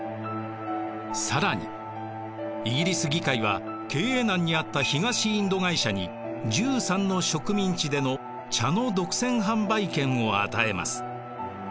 更にイギリス議会は経営難にあった東インド会社に１３の植民地での茶の独占販売権を与えます。